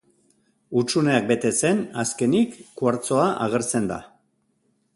Hutsuneak betetzen, azkenik, kuartzoa agertzen da.